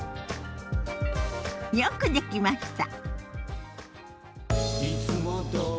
よくできました。